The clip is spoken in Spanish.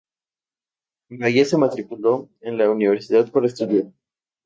Bahía se matriculó en la universidad para estudiar.